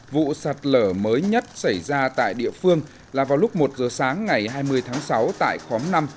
vụ sạt lở mới nhất xảy ra tại địa phương là vào lúc một giờ sáng ngày hai mươi tháng sáu tại khóm năm